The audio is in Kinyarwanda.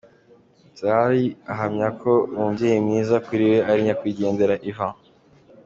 Zari ahamyako umubyeyi mwiza kuri we ari nyakwigendera Ivan.